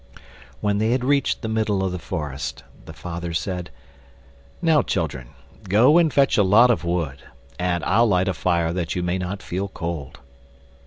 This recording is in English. When they had reached the middle of the forest the father said: "Now, children, go and fetch a lot of wood, and I'll light a fire that you may not feel cold."